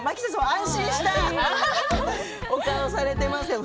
安心したお顔されていますね。